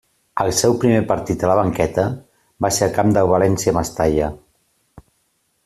El seu primer partit a la banqueta va ser al camp del València Mestalla.